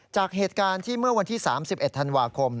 จากเหตุการณ์ที่เมื่อวันที่๓๑ธันวาคม